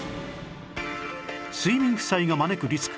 睡眠負債が招くリスク